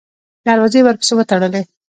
دروازې یې ورپسې وتړلې.